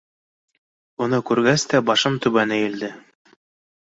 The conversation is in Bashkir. Уны күргәс тә, башым түбән эйелде.